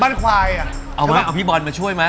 บ้านควายเอาพี่บอลมาช่วยมา